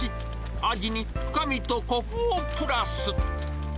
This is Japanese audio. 味に深みとこくをプラス。